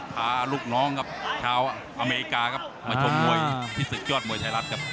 พาลูกน้องครับชาวอเมริกาครับมาชมมวยที่ศึกยอดมวยไทยรัฐครับ